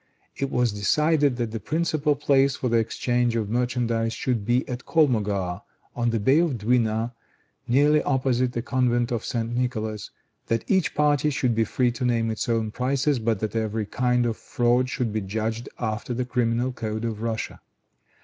It was decided that the principal place for the exchange of merchandise should be at Kolmogar, on the Bay of Dwina, nearly opposite the convent of St. Nicholas; that each party should be free to name its own prices, but that every kind of fraud should be judged after the criminal code of Russia.